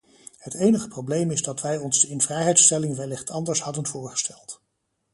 Het enige probleem is dat wij ons de invrijheidstelling wellicht anders hadden voorgesteld.